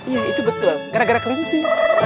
iya itu betul gara gara kelinci